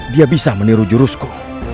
dia bisa meniru jurusku